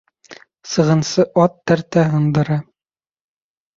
Сығынсы ат тәртә һындыра